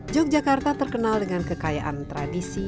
yogyakarta terkenal dengan kekayaan tradisi